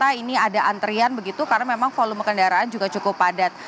karena ini ada antrian begitu karena memang volume kendaraan juga cukup padat